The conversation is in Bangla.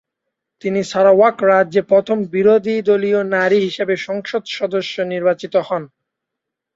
তিনি সারাওয়াক রাজ্যে প্রথম বিরোধীদলীয় নারী হিসেবে সংসদ সদস্য নির্বাচিত হন।